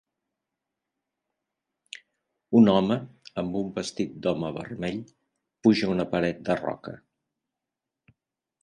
Un home amb un vestit d'home vermell puja una paret de roca